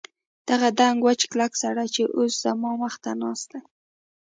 دغه دنګ وچ کلک سړی چې اوس زما مخ ته ناست دی.